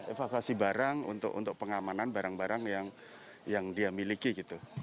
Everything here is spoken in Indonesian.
evakuasi barang untuk pengamanan barang barang yang dia miliki gitu